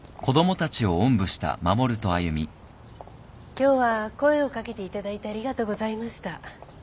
今日は声を掛けていただいてありがとうございました。